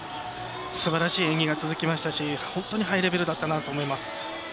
すばらしい演技が続きましたしハイレベルだったなと思います。